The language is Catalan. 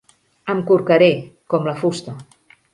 Em corcaré, com la fusta.